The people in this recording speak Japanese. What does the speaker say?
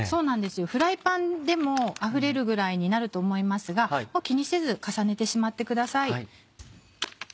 フライパンでもあふれるぐらいになると思いますが気にせず重ねてしまってください。